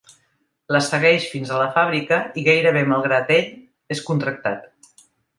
La segueix fins a la fàbrica i, gairebé malgrat ell, és contractat.